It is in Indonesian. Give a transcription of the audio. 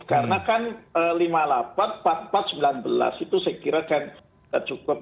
karena kan lima puluh delapan empat puluh empat sembilan belas itu saya kira kan sudah cukup